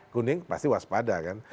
kuning pasti waspada kan